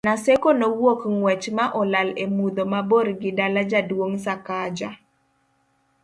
Naseko nowuok ng'wech ma olal e mudho mabor gi dala jaduong' Sakaja